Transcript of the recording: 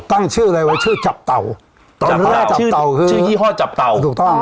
ตั้งชื่ออะไรไว้ชื่อจับเต่าจับเต่าชื่อยี่ห้อจับเต่าถูกต้อง